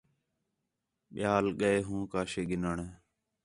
ٻِیال ڳئے ہوں کاشے گِنّݨ